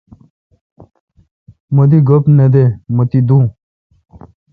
مہ دی گپ۔ نہ دہ مہ تی دون